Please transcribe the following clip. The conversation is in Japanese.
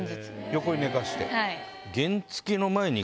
横に寝かせて。